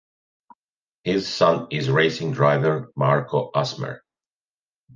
His son is racing driver Marko Asmer.